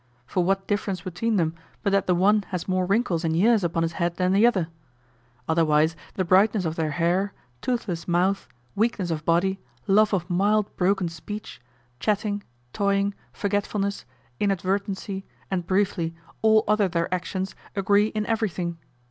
For what difference between them, but that the one has more wrinkles and years upon his head than the other? Otherwise, the brightness of their hair, toothless mouth, weakness of body, love of mild, broken speech, chatting, toying, forgetfulness, inadvertency, and briefly, all other their actions agree in everything.